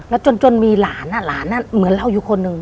แล้วจนมีหลานหลานเหมือนเราอยู่คนหนึ่ง